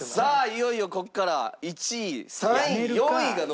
いよいよここから１位３位４位が残っております。